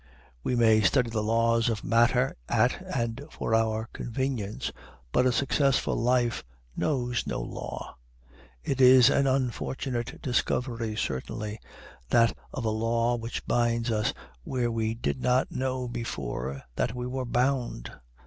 We may study the laws of matter at and for our convenience, but a successful life knows no law. It is an unfortunate discovery certainly, that of a law which binds us where we did not know before that we were bound.